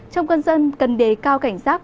trong cơn rông cần đề cao cảnh giác